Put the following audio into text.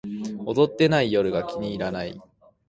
踊ってない夜が気に入らない